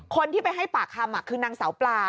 คนที่ไปให้ปากคำคือนางสาวปลา